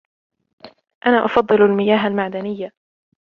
أنا أفضل المياه المعدنية.